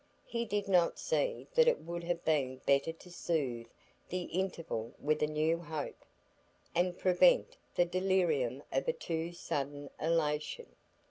He did not see that it would have been better to soothe the interval with a new hope, and prevent the delirium of a too sudden elation.